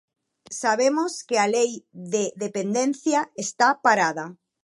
Sabemos que a Lei de Dependencia está parada.